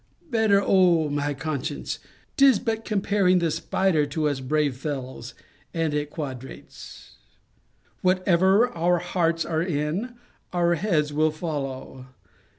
Better o' my conscience! 'Tis but comparing the spider to us brave fellows, and it quadrates. Whatever our hearts are in, our heads will follow.